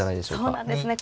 そうなんですね。